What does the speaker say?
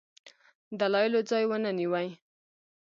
دلایلو ځای ونه نیوی.